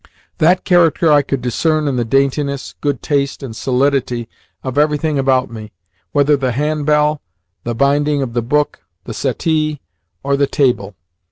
That character I could discern in the daintiness, good taste, and solidity of everything about me, whether the handbell, the binding of the book, the settee, or the table.